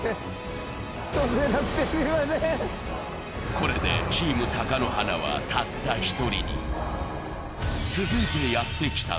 これでチーム貴乃花はたった１人に。